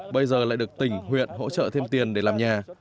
bây giờ lại được tỉnh huyện hỗ trợ thêm tiền để làm nhà